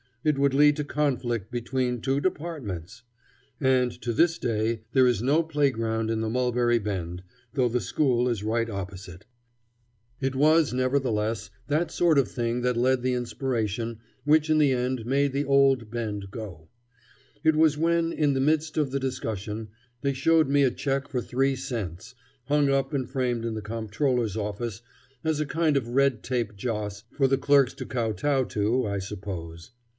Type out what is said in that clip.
It would lead to conflict between two departments! And to this day there is no playground in the Mulberry Bend, though the school is right opposite. [Illustration: Bottle Alley Mulberry Bend Headquarters of the Whyo Gang.] It was, nevertheless, that sort of thing that lent the inspiration which in the end made the old Bend go. It was when, in the midst of the discussion, they showed me a check for three cents, hung up and framed in the Comptroller's office as a kind of red tape joss for the clerks to kow tow to, I suppose.